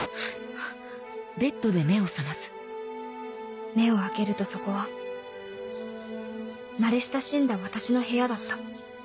ハァ目を開けるとそこは慣れ親しんだ私の部屋だった